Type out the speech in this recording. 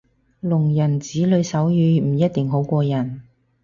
聾人子女手語唔一定好過人